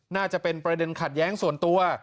น่าจะเป็นประเด็นขัดแย้งส่วนตัว